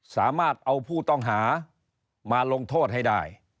สามารถเอาผู้ต้องหามาลงโทษให้ได้